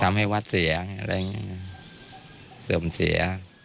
ทำให้วัดเสียสื่อมเสีย